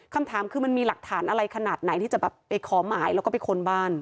คำถามคือมันมีหลักฐานอะไรขนาดไหนที่จะแบบไปขอหมายแล้วก็ไปค้นบ้าน